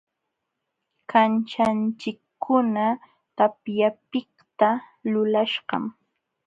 Kanćhanchikkuna tapyapiqta lulaśhqam.